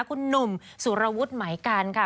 คุณหนุ่มสุรวุฒิไหมกันค่ะ